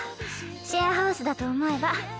シェアハウスだと思えば。